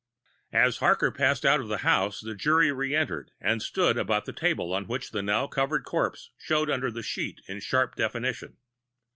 As Harker passed out of the house the jury reentered and stood about the table on which the now covered corpse showed under the sheet with sharp definition.